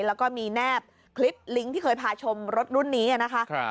แล้วก็มีแนบคลิปลิงก์ที่เคยพาชมรถรุ่นนี้นะคะ